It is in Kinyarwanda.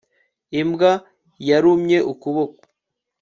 imbwa yarumye ukuboko